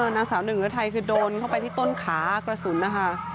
นางสาวหนึ่งฤทัยคือโดนเข้าไปที่ต้นขากระสุนนะคะ